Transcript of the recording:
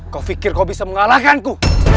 kau pikir kau bisa mengalahkanku